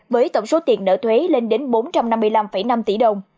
với tổng số tiền nợ thuế lên đến bốn trăm năm mươi năm năm tỷ đồng